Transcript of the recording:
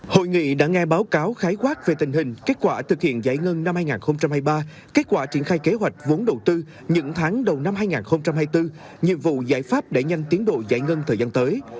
hội nghị đã nghe báo cáo khái quát về tình hình kết quả thực hiện giải ngân năm hai nghìn hai mươi ba kết quả triển khai kế hoạch vốn đầu tư những tháng đầu năm hai nghìn hai mươi bốn nhiệm vụ giải pháp để nhanh tiến độ giải ngân thời gian tới